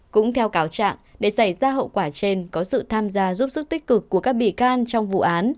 cũng theo cáo trạng để xảy ra hậu quả trên có sự tham gia giúp sức tích cực của các bị can trong vụ án